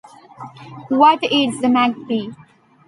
What eats the magpie?